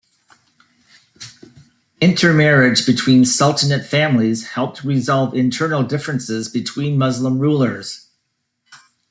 Intermarriage between Sultanate families helped resolve internal differences between Muslim rulers.